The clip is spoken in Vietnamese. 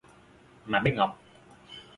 Mà bé Ngọc